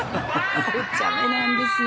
おちゃめなんですよ。